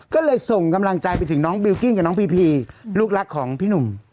ก็เลยส่งกำลังใจไปถึงน้องบิลกิ้งกับน้องพีพีลูกรักของพี่หนุ่ม